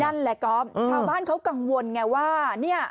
นั่นแหละกอปชาวบ้านเขากังวลไงว่า